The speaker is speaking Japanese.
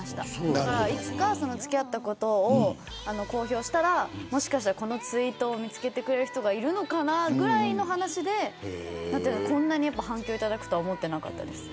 だから、いつか付き合ったことを公表したらもしかしたら、このツイートを見つけてくれる人がいるのかなぐらいの話でこんなに反響いただくとは思っていなかったです。